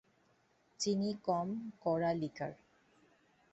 চিনি কম কড়া লিকার।